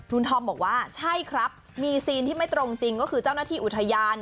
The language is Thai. ธอมบอกว่าใช่ครับมีซีนที่ไม่ตรงจริงก็คือเจ้าหน้าที่อุทยาน